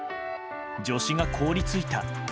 助詞が凍り付いた。